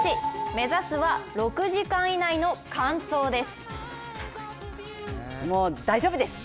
目指すは６時間以内の完走です。